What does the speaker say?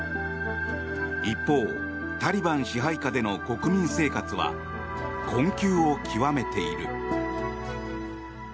一方、タリバン支配下での国民生活は困窮を極めている。